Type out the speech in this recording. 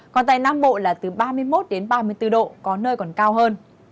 còn tại nam bộ là từ ba mươi một đến ba mươi bốn độ có nơi còn cao hơn